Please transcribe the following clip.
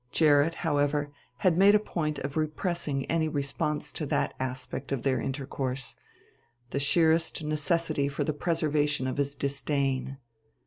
Gerrit, however, had made a point of repressing any response to that aspect of their intercourse the sheerest necessity for the preservation of his disdain.